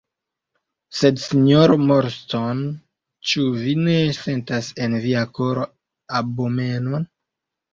Sed, sinjoro Marston, ĉu vi ne sentas en via koro abomenon?